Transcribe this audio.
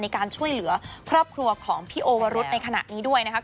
ในการช่วยเหลือครอบครัวของพี่โอวรุษในขณะนี้ด้วยนะครับ